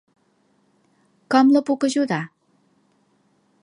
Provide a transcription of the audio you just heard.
Com la puc ajudar?